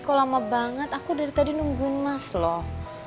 kok lama banget aku dari tadi nungguin mas loh